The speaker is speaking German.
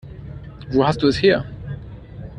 Wo hast du es her?